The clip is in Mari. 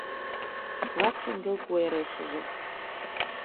Клат шеҥгел куэрешыже